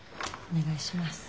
お願いします。